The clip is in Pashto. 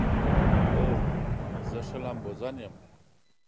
هو، زه ښه لامبوزن یم